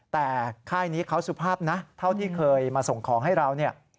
แต่ค่ายนี้เขาสุภาพนะเท่าที่เคยมาส่งของให้เราเนี่ย